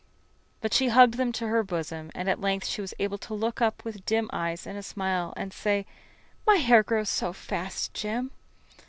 But she hugged them to her bosom, and at length she was able to look up with dim eyes and a smile and say: "My hair grows so fast, Jim!"